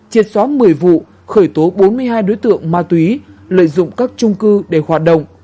triệt xóa một mươi vụ khởi tố bốn mươi hai đối tượng ma túy lợi dụng các trung cư để hoạt động